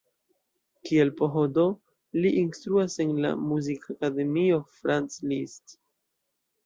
Kiel PhD li instruas en la Muzikakademio Franz Liszt.